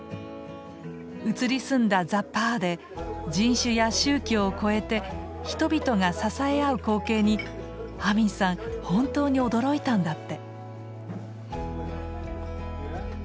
移り住んだザ・パーで人種や宗教を超えて人々が支え合う光景にアミンさん本当に驚いたんだって。